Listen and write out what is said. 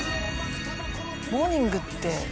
モーニングって良心。